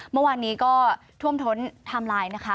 เมื่อวานนี้ก็ท่วมท้นไทม์ไลน์นะคะ